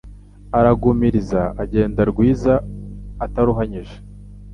Aragumiriza agenda rwiza, ataruhanyije